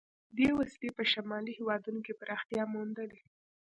دې وسیلې په شمالي هېوادونو کې پراختیا موندلې.